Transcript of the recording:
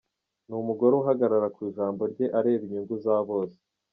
Ni umugore uhagarara ku ijambo rye, areba inyungu za bose.